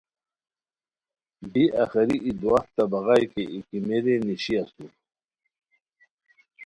بی آخری ای دواہتہ بغائے کی ای کیمیری نیشی اسور